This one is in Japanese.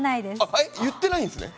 え言ってないんですね！